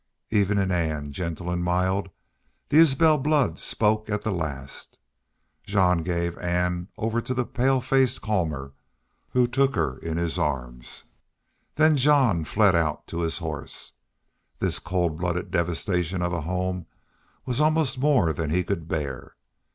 Even in Ann, gentle and mild, the Isbel blood spoke at the last. Jean gave Ann over to the pale faced Colmor, who took her in his arms. Then Jean fled out to his horse. This cold blooded devastation of a home was almost more than he could bear.